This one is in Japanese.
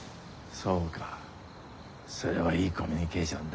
それはいいコミュニケーションだ。